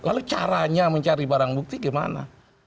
lalu caranya mencari barang bukti gimana